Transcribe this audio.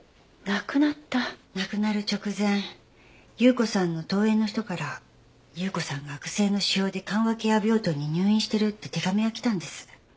亡くなる直前有雨子さんの遠縁の人から有雨子さんが悪性の腫瘍で緩和ケア病棟に入院してるって手紙が来たんです。